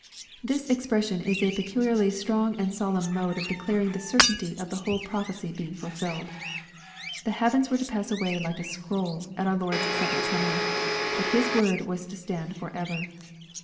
] This expression is a pecuharly strong and solemn mode of declaring the certainty of the whole prophecy being fulfilled. The heavens were to pass away like a scroll, at our Lord's second coming. But His word was to stand forever.